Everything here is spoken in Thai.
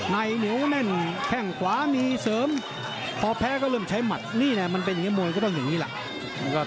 เหนียวแน่นแข้งขวามีเสริมพอแพ้ก็เริ่มใช้หมัดนี่นะมันเป็นอย่างนี้มวยก็ต้องอย่างนี้แหละ